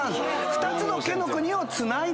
２つの毛野国をつないでると。